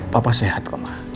papa sehat kok ma